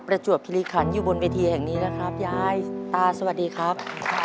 ประจวบคิริขันอยู่บนเวทีแห่งนี้นะครับยายตาสวัสดีครับ